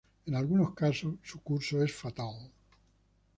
En algunos casos su curso es fatal.